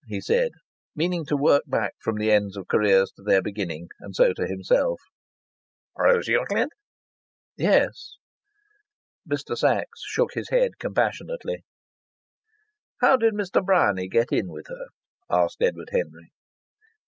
he said, meaning to work back from the ends of careers to their beginnings, and so to himself. "Rose Euclid?" "Yes." Mr. Sachs shook his head compassionately. "How did Mr. Bryany get in with her?" asked Edward Henry.